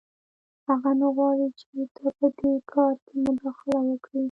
هغه نه غواړي چې ته په دې کار کې مداخله وکړې